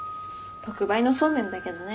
特売のそうめんだけどね。